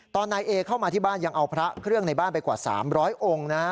นายเอเข้ามาที่บ้านยังเอาพระเครื่องในบ้านไปกว่า๓๐๐องค์นะ